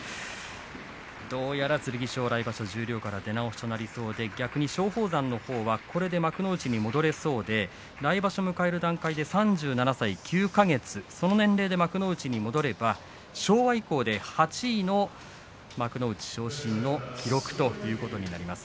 どうやら剣翔は来場所は十両から出直しとなりそうで逆に松鳳山はこれで幕内に戻れそうで来場所迎える段階で３７歳９か月その年齢で幕内に戻れば昭和以降で８位の幕内昇進の記録ということになります。